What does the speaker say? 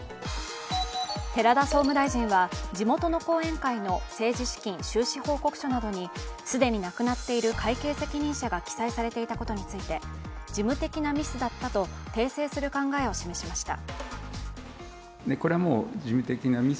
寺田総務大臣は地元の後援会の政治資金収支報告書などに既に亡くなっている会計責任者が記載されていたことについて事務的なミスだったと訂正する考えを示しました。